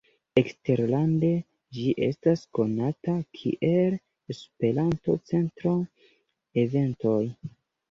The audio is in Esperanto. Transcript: Eksterlande ĝi estas konata kiel "Esperanto-Centro Eventoj".